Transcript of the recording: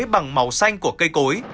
bằng màu xanh của cây cối